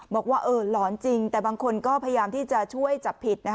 บอกว่าหลอนจริงแต่บางคนก็พยายามที่จะช่วยจับผิด